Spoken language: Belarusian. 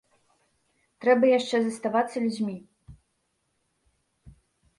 Трэба яшчэ заставацца людзьмі.